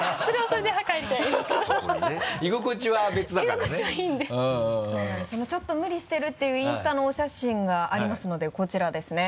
そのちょっと無理してるっていうインスタのお写真がありますのでこちらですね。